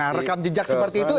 rekam jejak seperti itu